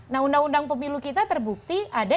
nah undang undang pemilu kita terbukti ada